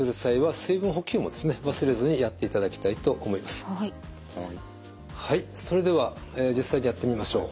かねませんからはいそれでは実際にやってみましょう。